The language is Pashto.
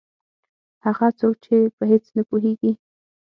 هغه څوک چې په هېڅ نه پوهېږي.